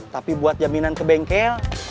tapi buat jaminan ke bengkel